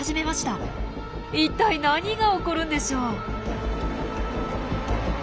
いったい何が起こるんでしょう？